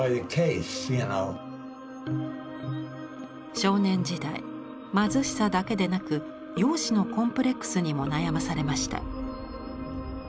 少年時代貧しさだけでなく容姿のコンプレックスにも悩まされました。